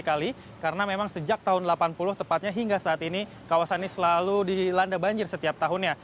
karena memang sejak tahun delapan puluh tepatnya hingga saat ini kawasan ini selalu dilanda banjir setiap tahunnya